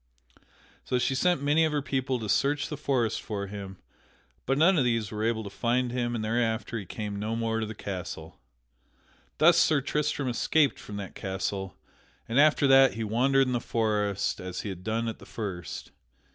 So she sent many of her people to search the forest for him, but none of these were able to find him and thereafter he came no more to the castle. Thus Sir Tristram escaped from that castle and after that he wandered in the forest as he had done at the first.